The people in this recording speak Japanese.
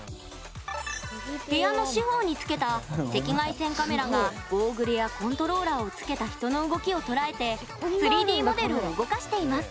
部屋の四方につけた赤外線カメラがゴーグルやコントローラーをつけた人の動きをとらえて３Ｄモデルを動かしています。